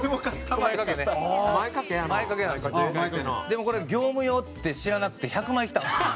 でもこれ業務用って知らなくて１００枚きたんですよ。